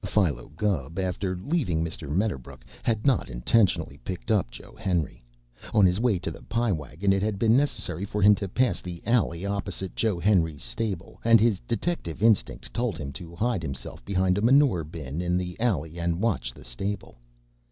Philo Gubb, after leaving Mr. Medderbrook, had not intentionally picked up Joe Henry. On his way to the Pie Wagon it had been necessary for him to pass the alley opposite Joe Henry's stable and his detective instinct told him to hide himself behind a manure bin in the alley and watch the stable.